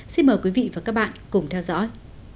xin mời quý vị và các bạn cùng theo dõi